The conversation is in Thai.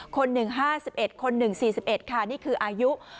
คน๑๕๑คน๑๔๑นี้คืออายุ